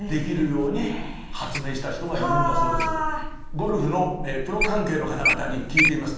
ゴルフのプロ関係の方々に聞いてみます。